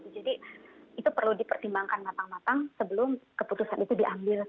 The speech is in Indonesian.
jadi itu perlu dipertimbangkan matang matang sebelum keputusan itu diambil